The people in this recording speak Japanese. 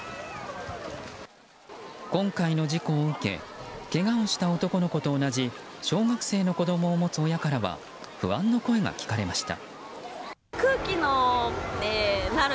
今回の事故を受けけがをした男の子と同じ小学生の子供を持つ親からは不安の声が聞かれました。